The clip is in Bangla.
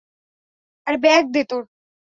ব্যাগ দে তোর!